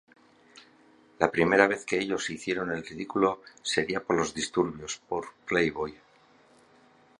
La primera vez que ellos 'hicieron el ridículo' sería con los disturbios por "Playboy".